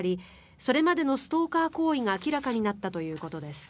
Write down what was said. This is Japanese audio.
それまでのストーカー行為が明らかになったということです。